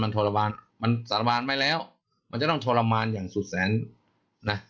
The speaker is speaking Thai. มันสาบานไม่แล้วมันจะต้องทรมานอย่างสุดแสน